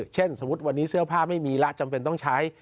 เช่นสมมุติวันนี้เสื้อผ้าไม่มีละจำเป็นต้องใช้